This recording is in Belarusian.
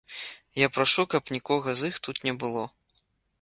Я прашу, каб нікога з іх тут не было.